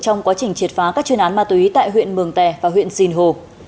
trong quá trình triệt phá các chuyên án ma túy tại huyện mường tè và huyện sinh hồ